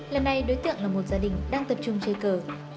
lần này đối tượng là một gia đình đang tập trung chơi cờ